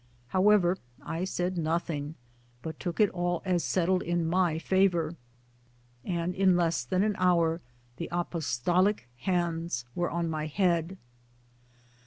However I said nothing but took it all as settled in my favour, and in less than an hour the apostolic hands were on my head.